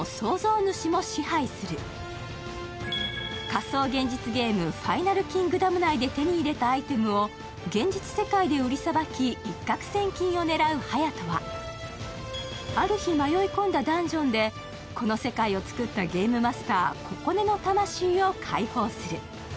仮想現実ゲーム「ＦＩＮＡＬＫＩＮＧＤＯＭ」内で手に入れたアイテムを現実世界で売りさばき、一攫千金を狙う隼人はある日、迷い込んだダンジョンでこの世界を作ったゲームマスター・ココネの魂を解放する。